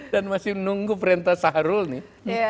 dan masih menunggu perintah saharul nih